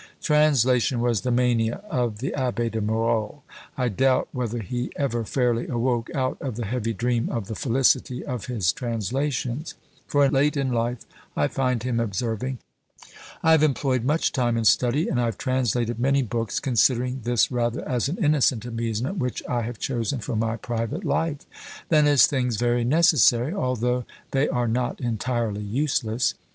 Translation was the mania of the Abbé de Marolles. I doubt whether he ever fairly awoke out of the heavy dream of the felicity of his translations; for late in life I find him observing, "I have employed much time in study, and I have translated many books; considering this rather as an innocent amusement which I have chosen for my private life, than as things very necessary, although they are not entirely useless.